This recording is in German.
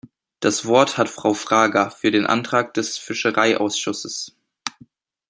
Das Wort hat Frau Fraga, für den Antrag des Fischereiausschusses.